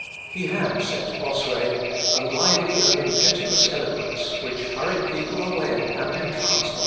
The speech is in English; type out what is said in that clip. "He had," says Bossuet, "a lively and impetuous eloquence, which hurried people away and entranced them."